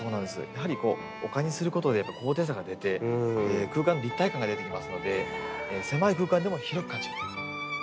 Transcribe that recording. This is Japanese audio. やはり丘にすることで高低差が出て空間の立体感が出てきますので狭い空間でも広く感じる。